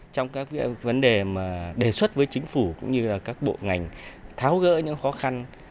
trong các vấn đề đề xuất với chính phủ cũng như các bộ ngành tháo gỡ những khó khăn